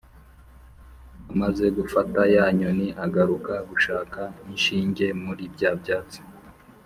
amaze gufata ya nyoni agaruka gushaka inshinge muri bya byatsi.